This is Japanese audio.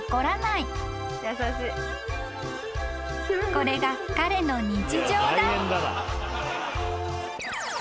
［これが彼の日常だ］